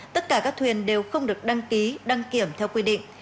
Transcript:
tất cả các thuyền đều không được đăng ký đăng kiểm theo quy định